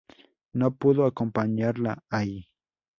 No pudo acompañarla ahí.